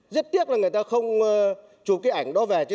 rất tiếc là người ta không chụp cái ảnh đó về chứ